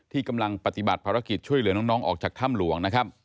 กำลังปฏิบัติภารกิจช่วยเหลือน้องออกจากถ้ำหลวงนะครับ